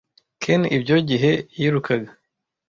Ken ibyo gihe yirukaga.